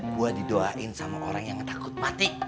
gue di doain sama orang yang takut mati